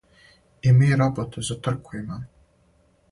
И ми роботе за трку имамо!